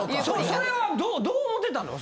それはどう思ってたの？